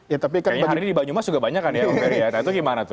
kayaknya hari ini di banyumas juga banyak kan ya om ferry